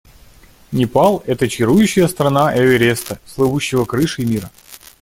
Непал — это чарующая страна Эвереста, слывущего крышей мира.